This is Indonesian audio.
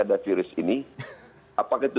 ada virus ini apakah itu